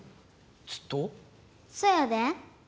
ずっと？そやで。